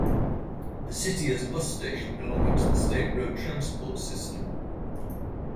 The city has a bus station belonging to the State Road Transport System.